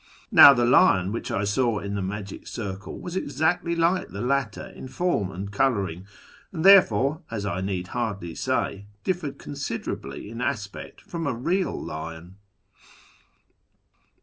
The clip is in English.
Now, the lion Avhicli I saw in the magic circle was exactly like the latter in form and colouring, and therefore, as I need hardly say, differed considerably in aspect from a real lion."